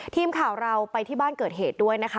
ทีมข่าวเราไปที่บ้านเกิดเหตุด้วยนะคะ